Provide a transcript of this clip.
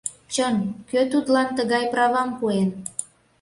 Чын, кӧ тудлан тыгай правам пуэн?